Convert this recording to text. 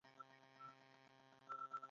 دا چانسونه ښه او بد بختونه دي.